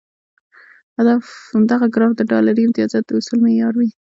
همدغه ګراف د ډالري امتیازاتو د حصول معیار وي.